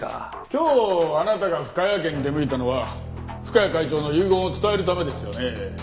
今日あなたが深谷家に出向いたのは深谷会長の遺言を伝えるためですよね？